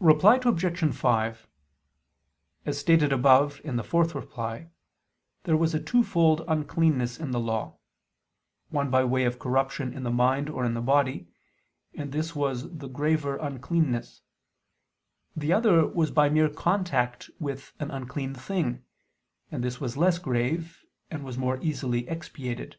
Reply Obj. 5: As stated above (ad 4), there was a twofold uncleanness in the Law; one by way of corruption in the mind or in the body; and this was the graver uncleanness; the other was by mere contact with an unclean thing, and this was less grave, and was more easily expiated.